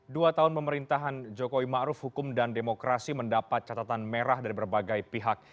dua tahun pemerintahan jokowi ma'ruf hukum dan demokrasi mendapat catatan merah dari berbagai pihak